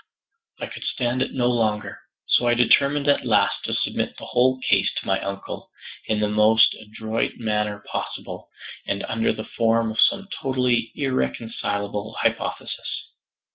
I could stand it no longer; so I determined at last to submit the whole case to my uncle, in the most adroit manner possible, and under the form of some totally irreconcilable hypothesis.